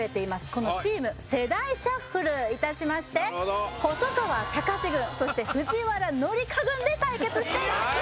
このチーム世代シャッフルいたしましてなるほど細川たかし軍そして藤原紀香軍で対決していただきます